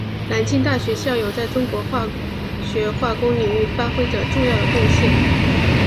南京大学校友在中国化学化工领域发挥着重要的贡献。